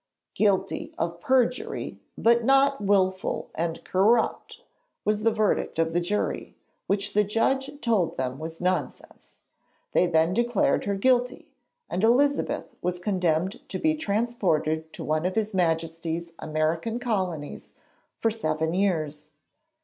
'Guilty of perjury, but not wilful and corrupt,' was the verdict of the jury, which the judge told them was nonsense. They then declared her guilty, and Elizabeth was condemned to be transported to one of his Majesty's American colonies for seven years.